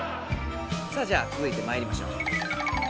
さあじゃつづいてまいりましょう。